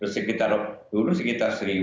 sekitar dulu sekitar seribu